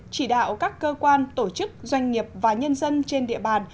chỉ đạo các cơ quan tổ chức doanh nghiệp và nhân dân trên địa bàn